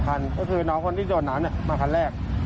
คันก็คือน้องคนที่โดนน้ำมาคันแรก